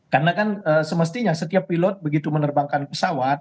karena kan semestinya setiap pilot begitu menerbangkan pesawat